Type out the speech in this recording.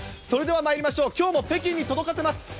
それではまいりましょう、きょうも北京に届かせます。